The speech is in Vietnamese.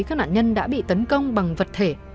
các nạn nhân đã bị tấn công bằng vật thể